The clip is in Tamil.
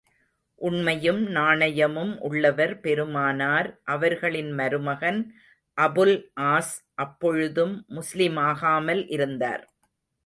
உண்மையும் நாணயமும் உள்ளவர் பெருமானார் அவர்களின் மருமகன் அபுல் ஆஸ் அப்பொழுதும் முஸ்லிமாகாமல் இருந்தார்.